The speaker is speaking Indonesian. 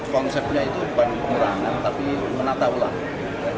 konsepnya itu bukan pengurangan tapi menata ulang